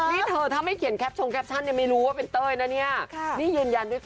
นี่เธอถ้าไม่เขียนแคปชงแคปชั่นยังไม่รู้ว่าเป็นเต้ยนะเนี่ย